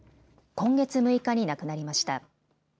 今月６日に亡くなりました。